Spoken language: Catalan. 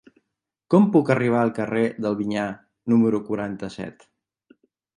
Com puc arribar al carrer del Vinyar número quaranta-set?